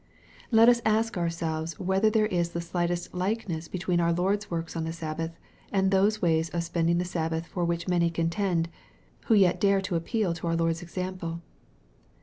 Let us ask ourselves whether there is the slightest likeness between our Lord's works on the Sabbath, and those ways of spending the Sabbath for which many contend, who yet dare to appeal to our Lord's example.